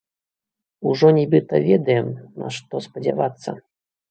Ужо нібыта ведаем, на што спадзявацца.